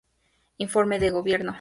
Informe de Gobierno.